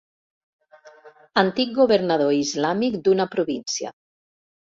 Antic governador islàmic d'una província.